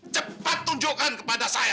cepat tunjukkan kepada saya